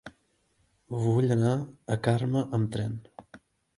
Vull anar a Carme amb tren.